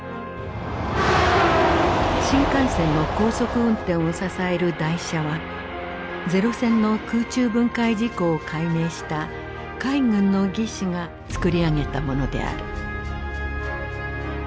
新幹線の高速運転を支える台車は零戦の空中分解事故を解明した海軍の技師がつくり上げたものである。